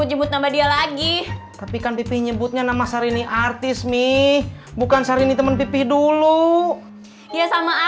jemput nama dia lagi tapi kan pipih nyebutnya nama sarini artis